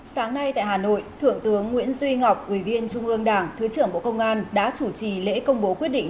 sáng nay tại hà nội thượng tướng nguyễn duy ngọc ủy viên trung ương đảng thứ trưởng bộ công an đã chủ trì lễ công bố quyết định